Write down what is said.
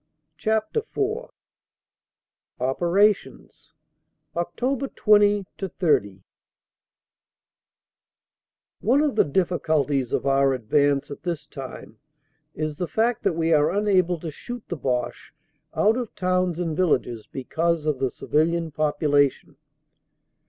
CHAPTER IV OPERATIONS: OCT. 20 30. * ONE of the difficulties of our advance at this time is the fact that we are unable to shoot the Boche out of towns and villages because of the civilian population.